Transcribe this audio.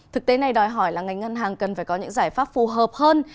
thực tế này đòi hỏi là ngành ngân hàng cần phải có những giải pháp phù hợp hơn